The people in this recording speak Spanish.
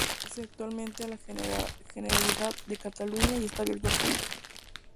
El castillo pertenece actualmente a la Generalidad de Cataluña y está abierto al público.